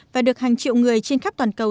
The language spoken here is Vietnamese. và được hàng triệu người trên khắp toàn cầu